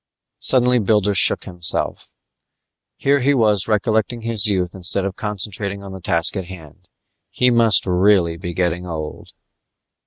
Suddenly Builder shook himself. Here he was recollecting his youth instead of concentrating on the task at hand. He must really be getting old.